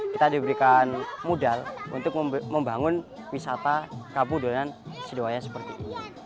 kita diberikan modal untuk membangun wisata kabuduran sidowaya seperti ini